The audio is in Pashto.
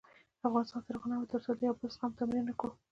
افغانستان تر هغو نه ابادیږي، ترڅو د یو بل زغمل تمرین نکړو.